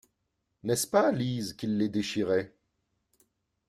N’est-ce pas, Lise, qu’il les déchirait?